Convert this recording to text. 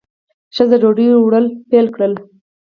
ښځه ډوډۍ وړل پیل کړل.